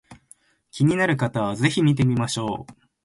気になる方は是非見てみましょう